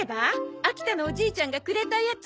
秋田のおじいちゃんがくれたやつ。